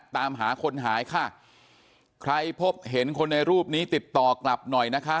ตามหาคนหายค่ะใครพบเห็นคนในรูปนี้ติดต่อกลับหน่อยนะคะ